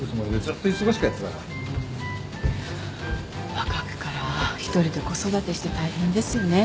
若くから１人で子育てして大変ですよね。